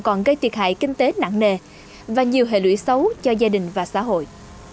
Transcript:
còn gây thiệt hại kinh tế nặng nề và nhiều hệ lụy xấu cho gia đình và xã hội